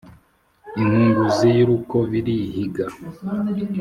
Inkunguzi y’urukob’irihiga?